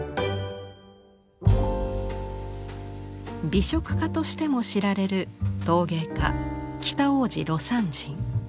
美食家としても知られる陶芸家北大路魯山人。